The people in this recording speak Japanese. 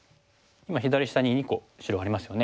今左下に２個白ありますよね。